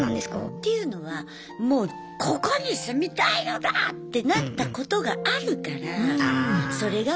っていうのはもうここに住みたいのだ！ってなったことがあるからそれが分かる。